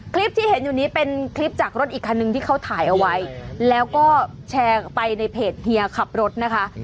คลิปที่เห็นอยู่นี้เป็นคลิปจากรถอีกคันนึงที่เขาถ่ายเอาไว้แล้วก็แชร์ไปในเพจเฮียขับรถนะคะ